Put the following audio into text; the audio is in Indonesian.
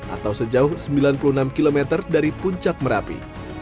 atau sejauh sembilan puluh enam km dari puncak merapi